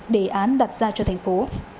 đề án đặt ra cho thành phố